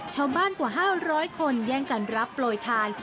ชาวบ้านกว่า๕๐๐คนแย่งกันรับปล่อยทาน